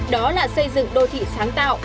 đó là xây dựng đô thị sáng tạo